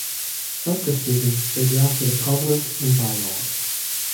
At this meeting, they drafted a covenant and bylaws.